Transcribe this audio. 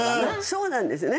そうなんですよね。